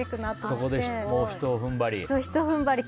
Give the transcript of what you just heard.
そこでひと踏ん張り